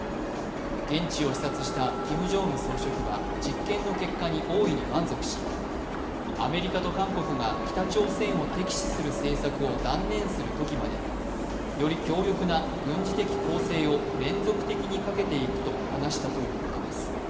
現地を視察したキム・ジョンウン総書記は実験の結果に大いに満足し、アメリカと韓国が北朝鮮を敵視する政策を断念するときまでより強力な軍事的攻勢を連続的にかけていくと話したということです。